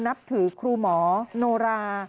นับถือครูหมอโนรา